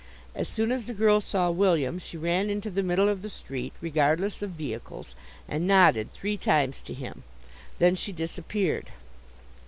As soon as the girl saw William she ran into the middle of the street, regardless of vehicles, and nodded three times to him. Then she disappeared.